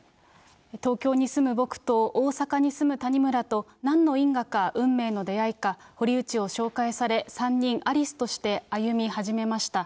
東京に住む僕と大阪に住む谷村となんの因果か、運命の出会いか、堀内を紹介され、３人、アリスとして歩み始めました。